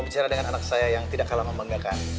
bicara dengan anak saya yang tidak kalah membanggakan